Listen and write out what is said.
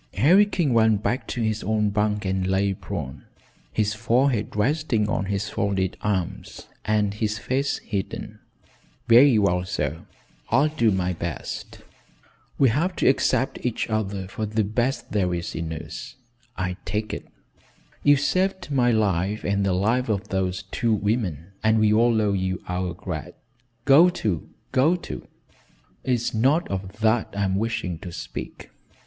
Harry King went back to his own bunk and lay prone, his forehead resting on his folded arms and his face hidden. "Very well, sir; I'll do my best. We have to accept each other for the best there is in us, I take it. You've saved my life and the life of those two women, and we all owe you our grat " "Go to, go to. It's not of that I'm wishing to speak.